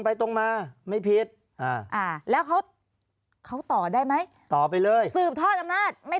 ไปตรงมาไม่ผิดอ่าแล้วเขาเขาต่อได้ไหมต่อไปเลยสืบทอดอำนาจไม่